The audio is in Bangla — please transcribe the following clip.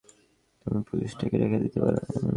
তুমি পুলিশটাকে রেখে দিতে পারো।